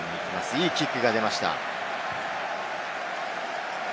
いいキックが出ました。